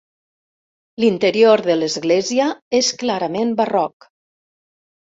L'interior de l'església és clarament barroc.